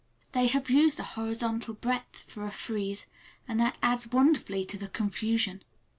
They have used a horizontal breadth for a frieze, and that adds wonderfully to the confusion.